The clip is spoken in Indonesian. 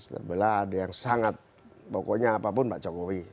terbelah ada yang sangat pokoknya apapun pak jokowi